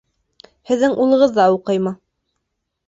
Һеҙҙең улығыҙ ҙа уҡыймы?